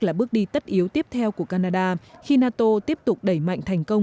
là bước đi tất yếu tiếp theo của canada khi nato tiếp tục đẩy mạnh thành công